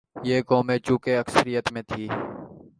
یہ قوتیں چونکہ اکثریت میں تھیں۔